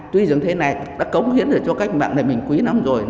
tuy rằng thế này đã cống hiến cho cách mạng này mình quý lắm rồi